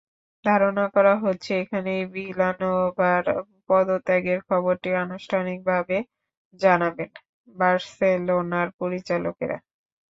ধারণা করা হচ্ছে এখানেই ভিলানোভার পদত্যাগের খবরটি আনুষ্ঠানিকভাবে জানাবেন বার্সেলোনার পরিচালকেরা।